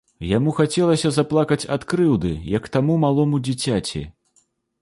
Яму хацелася заплакаць ад крыўды, як таму малому дзіцяці.